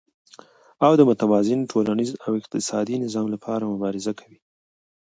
او د متوازن ټولنيز او اقتصادي نظام لپاره مبارزه کوي،